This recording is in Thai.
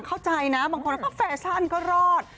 เข้าใจนะบางคนแล้วก็แฟชั่นก็รอด